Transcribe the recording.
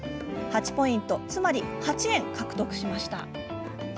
８ポイントつまり８円獲得しました。